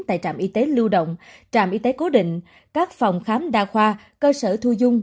tại trạm y tế lưu động trạm y tế cố định các phòng khám đa khoa cơ sở thu dung